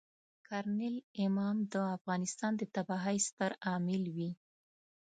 کرنل امام د افغانستان د تباهۍ ستر عامل وي.